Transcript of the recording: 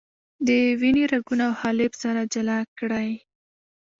د وینې رګونه او حالب سره جلا کړئ.